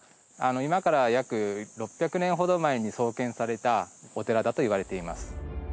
今から約６００年ほど前に創建されたお寺だといわれています。